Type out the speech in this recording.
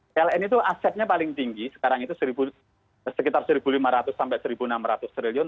pln itu asetnya paling tinggi sekarang itu sekitar rp satu lima ratus sampai rp satu enam ratus triliun